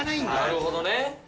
なるほどね。